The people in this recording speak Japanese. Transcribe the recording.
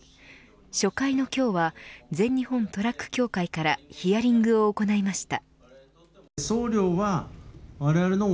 初回の今日は全日本トラック協会からヒアリングを行いました。